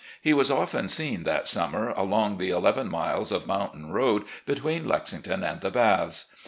He was often seen that summer along the eleven miles of mountain road between Lexington and the Baths.